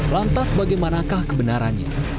lantas bagaimanakah kebenarannya